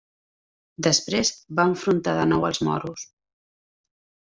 Després va enfrontar de nou als moros.